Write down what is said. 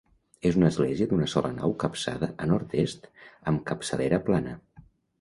És una església d'una sola nau capçada a nord-est amb capçalera plana.